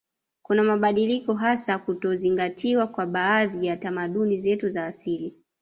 Kuna mabadiliko hasi kama kutozingatiwa kwa baadhi ya tamaduni zetu za asili